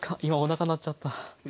今おなか鳴っちゃった。